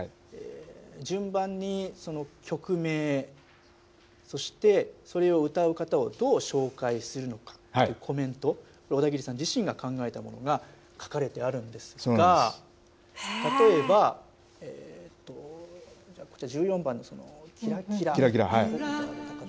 順番に曲名、そしてそれを歌う方をどう紹介するのか、あとコメント、小田切さん自身が考えたものが書かれてあるんですが、例えばこちら、１４番ですね、キラキラ。